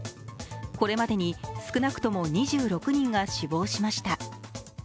これまでに少なくとも２６人が死亡しました。